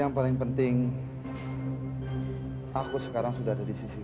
yang paling penting aku sekarang sudah ada di sisi